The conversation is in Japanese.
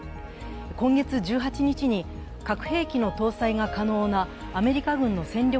今月１８日に核兵器の搭載が可能なアメリカ軍の戦略